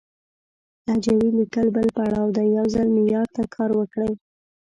لهجوي ليکل بل پړاو دی، يو ځل معيار ته کار وکړئ!